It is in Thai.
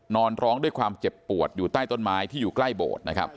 นอนร้องด้วยความเจ็บปวดอยู่ใต้ต้นไม้ที่อยู่ใกล้โบสถ์นะครับ